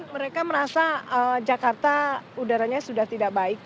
mereka merasa jakarta udaranya sudah tidak baik